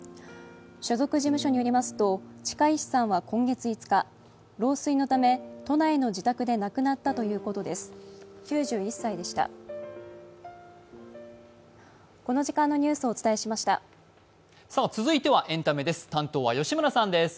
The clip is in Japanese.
所属事務所によりますと近石さんは今月５日、老衰のため都内の自宅で亡くなったということです。